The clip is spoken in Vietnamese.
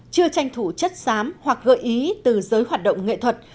chưa tranh thủ chất xám hoặc gợi ý từ giới hoạt động nghệ thuật